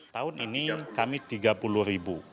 tahun ini kami tiga puluh ribu